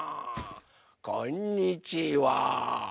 こんにちは。